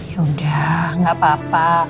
yaudah gak apa apa